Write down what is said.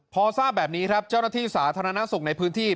พอทราบแบบนี้ครับเจ้าหน้าที่สาธารณสุขในพื้นที่